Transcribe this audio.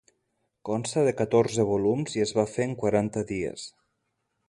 Consta de catorze volums i es va fer en quaranta dies.